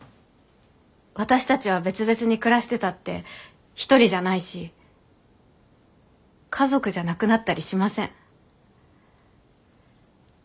私たちは別々に暮らしてたって一人じゃないし家族じゃなくなったりしません。